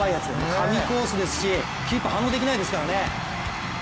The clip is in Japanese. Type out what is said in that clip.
神コースですしキーパー反応できないですからね。